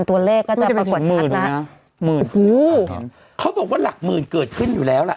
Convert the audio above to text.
ตัวเลขก็จะปรากฏชัดแล้วหมื่นหูเขาบอกว่าหลักหมื่นเกิดขึ้นอยู่แล้วล่ะ